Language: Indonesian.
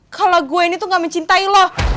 kalau gue ini tuh gak mencintai lo